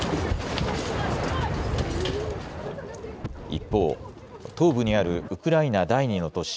一方、東部にあるウクライナ第２の都市